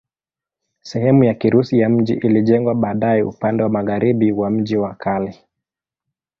Sehemu ya Kirusi ya mji ilijengwa baadaye upande wa magharibi wa mji wa kale.